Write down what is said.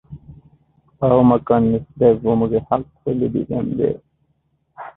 ޤައުމަކަށް ނިސްބަތް ވުމުގެ ޙައްޤު ލިބިގެންވޭ